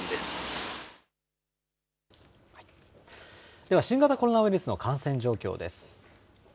では新型コロナウイルスの感染状況です。